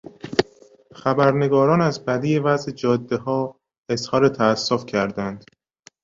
خبرنگاران از بدی وضع جادهها اظهار تاسف کردند.